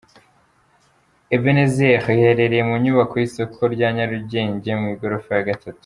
Ebenezer iherereye mu nyubako y’isoko rya Nyarugenge mu igorofa ya gatatu.